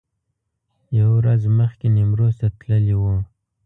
یوه ورځ مخکې نیمروز ته تللي و.